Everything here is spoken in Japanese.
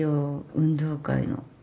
運動会の。